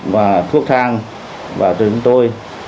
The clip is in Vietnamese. và thuốc thang vào cho chúng tôi